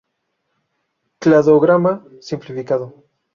Cladograma simplificado.